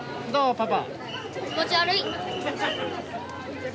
パパ。